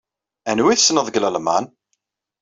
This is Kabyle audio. Anwa ay tessneḍ deg Lalman?